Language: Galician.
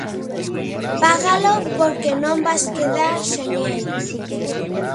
Págalo porque non vas quedar sen el.